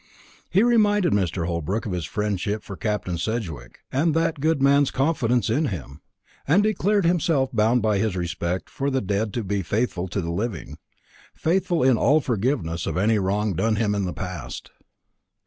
He reminded Mr. Holbrook of his friendship for Captain Sedgewick, and that good man's confidence in him, and declared himself bound by his respect for the dead to be faithful to the living faithful in all forgiveness of any wrong done him in the past.